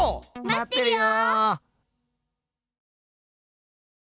待ってるよ！